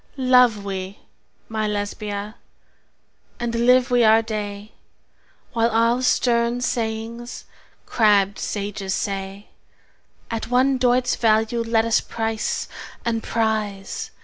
Love we (my Lesbia!) and live we our day, While all stern sayings crabbed sages say, At one doit's value let us price and prize!